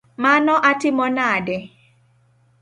Mano atimo nade?